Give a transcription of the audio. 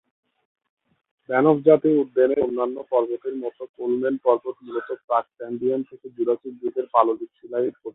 Banff জাতীয় উদ্যানের অন্যান্য পর্বতের মত কোলম্যান পর্বত মূলত প্রাক-ক্যাম্ব্রিয়ান থেকে জুরাসিক যুগের পাললিক শিলায় গঠিত।